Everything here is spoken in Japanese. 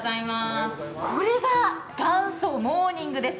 これが元祖モーニングです。